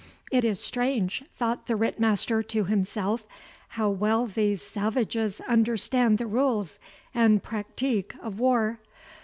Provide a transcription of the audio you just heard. It is strange, thought the Ritt master to himself, how well these salvages understand the rules and practique of war.